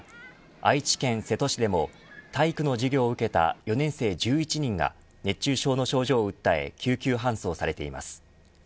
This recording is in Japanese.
愛知県瀬戸市でも体育の授業を受けた４年生１１人が熱中症の症状を訴え救急搬送されています。